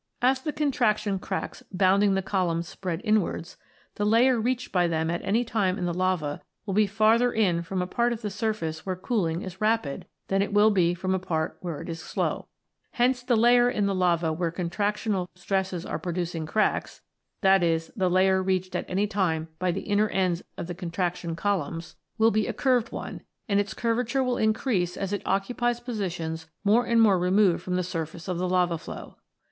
As the contraction cracks bounding the columns spread inwards, the layer reached by them at any time in the lava will be farther in from a part of the surface where cooling is rapid than it will be from a part where it is slow. Hence the layer in the lava where contractional stresses are producing cracks, i.e. the layer reached at any time by the inner ends of the contraction columns, 82 116 ROCKS AND THEIR ORIGINS [CH. will be a curved one, and its curvature will increase as it occupies positions more and more removed from the surface of the lava flow.